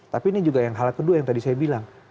tapi ini juga yang hal kedua yang tadi saya bilang